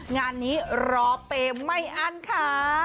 งานนี้รอเปย์ไม่อั้นค่ะ